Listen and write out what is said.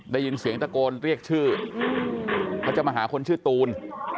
ได้ยินเสียงตะโกนเรียกชื่อเขาจะมาหาคนชื่อตูน